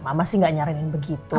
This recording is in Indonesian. mama sih gak nyaranin begitu